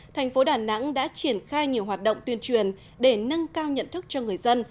thành phố đà nẵng đã triển khai nhiều hoạt động tuyên truyền để nâng cao nhận thức cho người dân